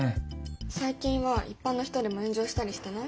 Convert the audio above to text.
最近は一般の人でも炎上したりしてない？